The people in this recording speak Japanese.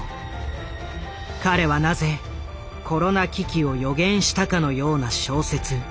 彼はなぜコロナ危機を予言したかのような小説